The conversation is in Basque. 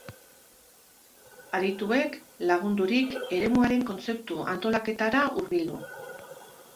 Adituek lagundurik, eremuaren kontzeptu-antolaketara hurbildu.